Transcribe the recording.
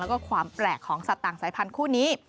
แล้วก็ความแปลกของสัตว์ต่างสายพันธุ์นี้